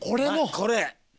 これ！